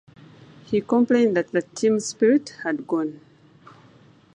He complained that the "team spirit" had gone.